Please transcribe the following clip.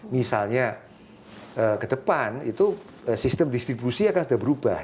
misalnya ke depan itu sistem distribusi akan sudah berubah